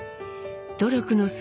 努力の末